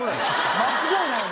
間違いないな。